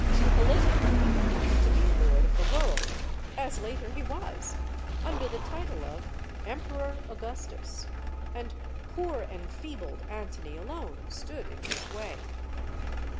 Politically, he wanted to be lord of the world as later he was under the title of "Emperor Augustus;" and poor, enfeebled Antony alone stood in his way.